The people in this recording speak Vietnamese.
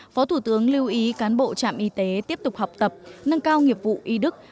phó thủ tướng lưu ý cán bộ trạm y tế tiếp tục học tập nâng cao nghiệp vụ y đức